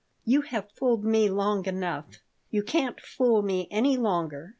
You have fooled me long enough. You can't fool me any longer.